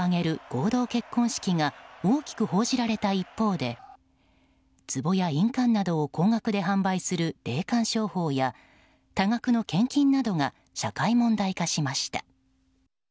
合同結婚式が大きく報じられた一方でつぼや印鑑などを高額で販売する霊感商法や多額の献金などが社会問題化しました。